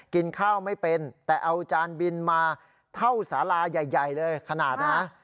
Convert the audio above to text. กินข้าวไม่เป็นแต่เอาจานบินมาเท่าสาราใหญ่เลยขนาดนะ